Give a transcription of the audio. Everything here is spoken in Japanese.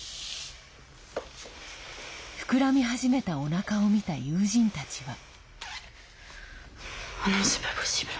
膨らみ始めたおなかを見た友人たちは。